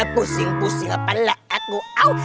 pusing pusing apalah aku